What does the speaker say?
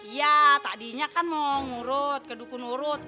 iya tadinya kan mau ngurut kedukun urut